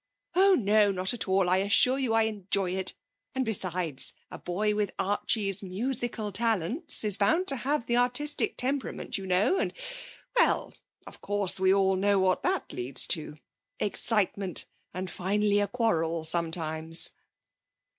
'Oh no. Not at all. I assure you I enjoy it. And, besides, a boy with Archie's musical talents is bound to have the artistic temperament, you know, and well of course, we all know what that leads to excitement; and finally a quarrel sometimes.'